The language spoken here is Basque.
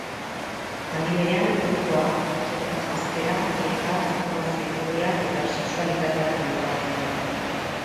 Aldi berean, ohikoa sektak janzkera, dieta, informazio-iturriak eta sexualitatea kontrolatzea.